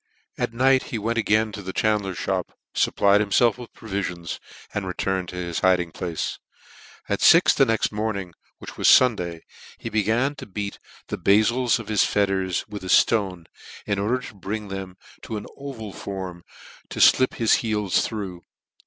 At night he went again to the chandler's Ihop, fupplied himfelf with provilions, and returned to his hiding place. At fix the next morning, which was Sunday, he began to beat the bafils of his fetters with a irone, in order to bring them to an oval form, to flip his heels through.